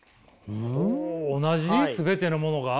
すべてのものが？